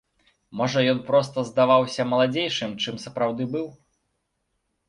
Можа, ён проста здаваўся маладзейшым, чым сапраўды быў.